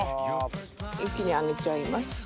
一気に揚げちゃいます。